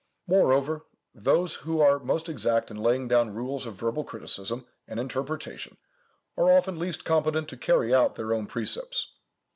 Moreover, those who are most exact in laying down rules of verbal criticism and interpretation, are often least competent to carry out their own precepts.